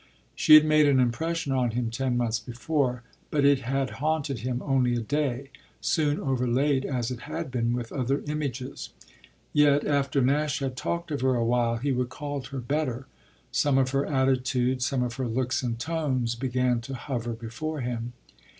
She had made an impression on him ten months before, but it had haunted him only a day, soon overlaid as it had been with other images. Yet after Nash had talked of her a while he recalled her better; some of her attitudes, some of her looks and tones began to hover before him.